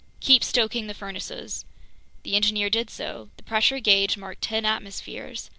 "Keep stoking the furnaces." The engineer did so. The pressure gauge marked ten atmospheres.